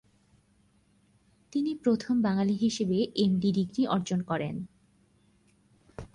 তিনি প্রথম বাঙালি হিসেবে এমডি ডিগ্রি অর্জন করেন।